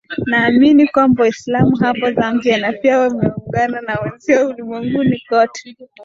naamini kwamba waislamu hapa zambia na pia wameungana na wenzao ulimwenguni kote